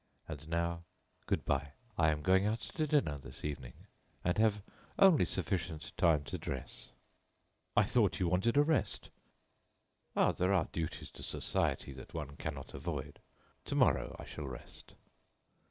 And now, good bye. I am going out to dinner this evening, and have only sufficient time to dress." "I though you wanted a rest." "Ah! there are duties to society that one cannot avoid. To morrow, I shall rest."